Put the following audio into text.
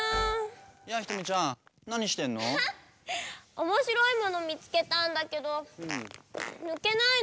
おもしろいものみつけたんだけどぬけないの。